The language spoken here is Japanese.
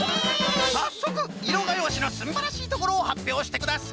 さっそくいろがようしのすんばらしいところをはっぴょうしてください。